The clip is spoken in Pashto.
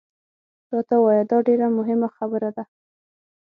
راته ووایه، دا ډېره مهمه خبره ده.